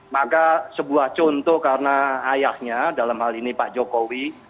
maka sebuah contoh karena ayahnya dalam hal ini pak jokowi